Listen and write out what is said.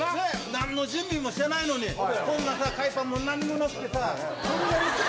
なんの準備もしてないのにこんなさ海パンもなんにもなくてさこんな。